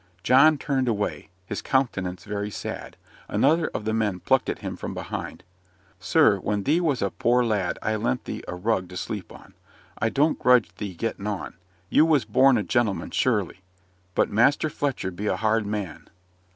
John turned away, his countenance very sad. Another of the men plucked at him from behind. "Sir, when thee was a poor lad I lent thee a rug to sleep on; I doan't grudge 'ee getting on; you was born for a gentleman, sure ly. But Master Fletcher be a hard man."